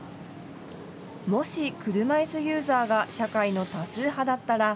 もし、車いすユーザーが社会の多数派だったら。